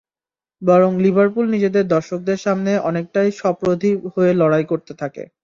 বরং লিভারপুল নিজেদের দর্শকদের সামনে অনেকটাই সপ্রতিভ হয়ে লড়াই করতে থাকে।